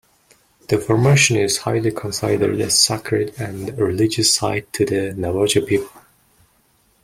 The formation is highly considered a sacred and religious site to the Navajo people.